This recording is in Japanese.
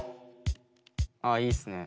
あいいっすね。